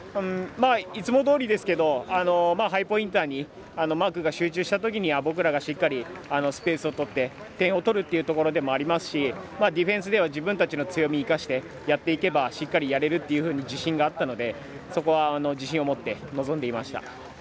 いつもどおりだったんですけどハイポインターにマークが集中したときには僕らがしっかりスペースを取って点を取るというところでもありますしディフェンスでは自分たちの強みを生かしてやっていければしっかりやれるっていう自信があったのでそこは自信を持って臨んでいました。